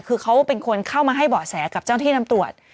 คือเขาเป็นคนเข้ามาให้เบาะแสกับเจ้าหน้าที่นำตรวจ